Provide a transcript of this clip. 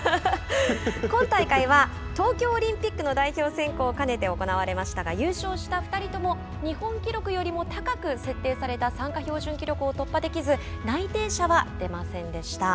今大会は東京オリンピックの代表選考を兼ねて行われましたが優勝した２人とも日本記録よりも高く設定された参加標準記録を突破できず内定者は出ませんでした。